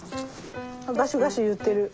あっガシガシいってる。